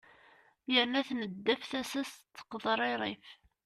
yerna tneddef tasa-s tettqeḍririf